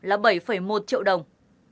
là bảy một triệu đồng